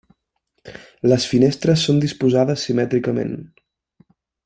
Les finestres són disposades simètricament.